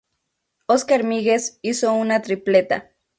Óscar Míguez hizo una tripleta.